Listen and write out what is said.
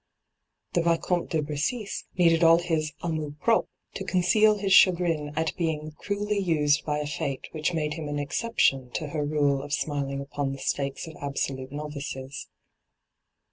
The Vicomte de Bressis needed all his a/nwur propre to conceal his chagrin at being 196 n,aN, rnh,GoOt^le ENTRAPPED 197 cruelly used by a Fate which made him an exception to her rule of smiling upon the stakes of absolute novices.